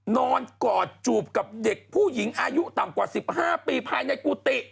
นอนกอดจูบกับเด็กผู้หญิงอายุต่ำกว่า๑๕ปีภายในกุฏิ